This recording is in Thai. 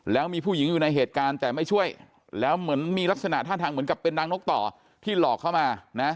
แล้วมีผู้หญิงอยู่ในเหตุการณ์แต่ไม่ช่วยแล้วเหมือนมีลักษณะท่าทางเหมือนกับเป็นนางนกต่อที่หลอกเข้ามานะ